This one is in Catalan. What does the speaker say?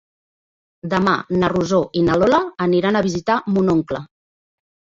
Demà na Rosó i na Lola aniran a visitar mon oncle.